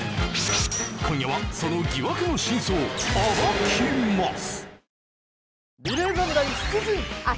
今夜はその疑惑の真相暴きます